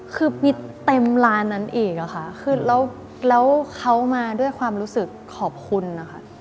คือมีเต็มร้านนั้นอีกอะค่ะคือแล้วเขามาด้วยความรู้สึกขอบคุณนะคะ